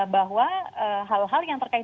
bahwa hal hal yang terkait